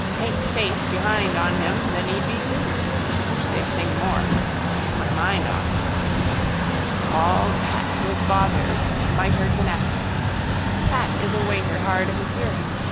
Paint face behind on him then he'd be two. Wish they'd sing more. Keep my mind off. Bald Pat who is bothered mitred the napkins. Pat is a waiter hard of his hearing.